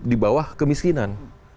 di bawah kemiskinan